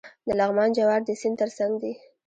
د لغمان جوار د سیند ترڅنګ دي.